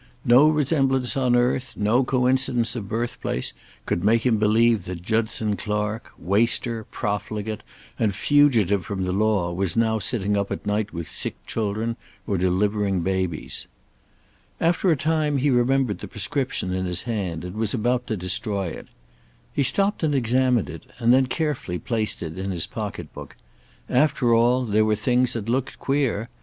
No resemblance on earth, no coincidence of birthplace, could make him believe that Judson Clark, waster, profligate and fugitive from the law was now sitting up at night with sick children, or delivering babies. After a time he remembered the prescription in his hand, and was about to destroy it. He stopped and examined it, and then carefully placed it in his pocket book. After all, there were things that looked queer.